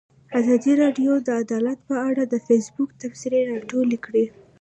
ازادي راډیو د عدالت په اړه د فیسبوک تبصرې راټولې کړي.